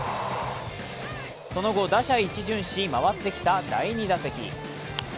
その後打者一巡し、回ってきた第２打席。